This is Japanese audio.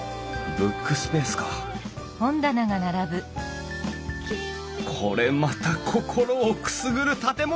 ブックスペースかこれまた心をくすぐる建物雑誌。